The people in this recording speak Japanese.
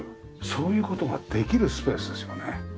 そういう事ができるスペースですよね。